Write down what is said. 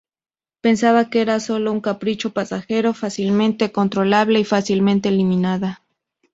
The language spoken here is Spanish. Pensaba que era solo un capricho pasajero, fácilmente controlable y fácilmente eliminada.